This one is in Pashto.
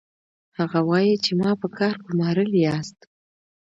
هغه وايي چې ما په کار ګومارلي یاست